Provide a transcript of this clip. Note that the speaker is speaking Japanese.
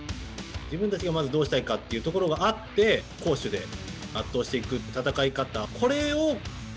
自分たちが、まず、どうしたいというところがあって、攻守で圧倒していくっていう戦い方。